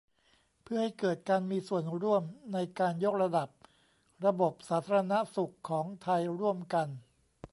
เพื่อให้เกิดการมีส่วนร่วมในการยกระดับระบบสาธารณสุของไทยร่วมกัน